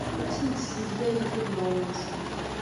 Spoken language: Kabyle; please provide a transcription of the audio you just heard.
Ur asent-ssezlageɣ udmawen-nsent.